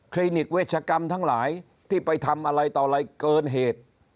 นิกเวชกรรมทั้งหลายที่ไปทำอะไรต่ออะไรเกินเหตุ